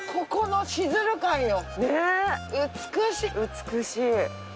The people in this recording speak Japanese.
美しい。